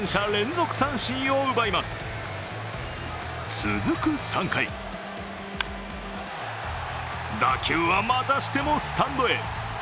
続く３回打球はまたしてもスタンドへ。